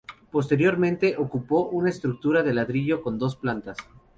Posteriormente, ocupó una estructura de ladrillo con dos plantas.